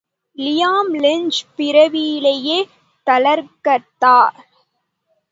Liam lynch பிறவியிலேயே தளகர்த்தா.